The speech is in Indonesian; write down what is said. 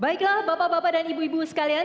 baiklah bapak bapak dan ibu ibu sekalian